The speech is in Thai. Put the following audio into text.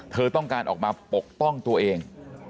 เธอต้องการออกมาปกป้องตัวเอง